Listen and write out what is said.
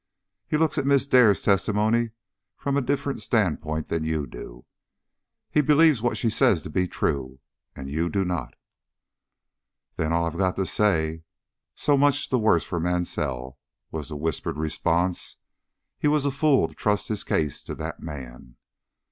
He looks at Miss Dare's testimony from a different standpoint than you do. He believes what she says to be true, and you do not." "Then, all I've got to say, 'So much the worse for Mansell!'" was the whispered response. "He was a fool to trust his case to that man."